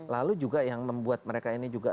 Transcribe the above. lalu juga yang membuat mereka ini juga